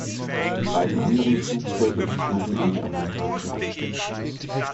Die beiden anderen Flugzeuge flogen an die amerikanische Ostküste.